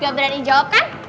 gak berani jawab kan